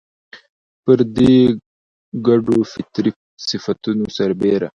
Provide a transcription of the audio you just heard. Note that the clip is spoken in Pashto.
پر دې ګډو فطري صفتونو سربېره